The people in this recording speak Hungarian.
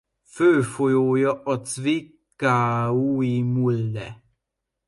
Fő folyója a Zwickaui-Mulde.